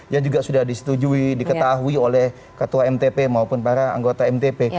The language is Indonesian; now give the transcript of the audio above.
yang juga sudah disetujui diketahui oleh ketua mtp maupun para anggota mtp